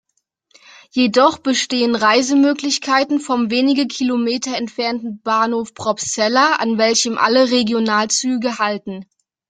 Jedoch bestehen Reisemöglichkeiten vom wenige Kilometer entfernten Bahnhof Probstzella, an welchem alle Regionalzüge halten.